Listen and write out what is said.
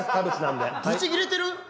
ぶち切れてる？